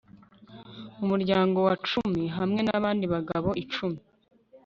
mu muryango wa cyami hamwe n abandi bagabo icumi